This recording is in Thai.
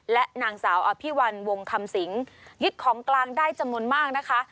และนางสาวอภิวัลวงคำสิงยึดของกลางได้จำนวนมากนะคะ